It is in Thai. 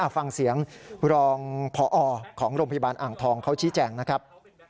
ฟังเสียงรองพอของโรงพยาบาลอ่างทองเขาชี้แจงนะครับ